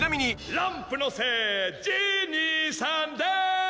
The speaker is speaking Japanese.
「ランプの精ジーニーさんです」